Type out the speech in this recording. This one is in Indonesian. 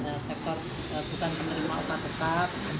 dari sektor kebutuhan penerima utang tetap